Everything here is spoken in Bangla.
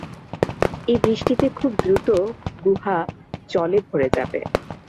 এই বৃষ্টিতে খুব দ্রুত গুহা জলে ভরে যাবে।